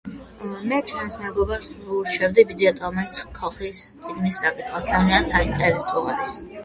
"მე ჩემს მეგობარს ვურჩევდი ""ბიძია ტომას ქოხის"" წიგნის წაკითხვას, რადგან ძალიან საინტერესოა."